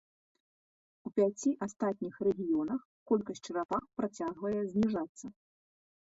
У пяці астатніх рэгіёнах колькасць чарапах працягвае зніжацца.